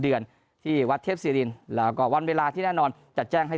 เดือนที่วัดเทพศิรินแล้วก็วันเวลาที่แน่นอนจัดแจ้งให้